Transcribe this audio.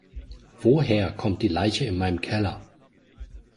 Woher kommt die Leiche in meinem Keller?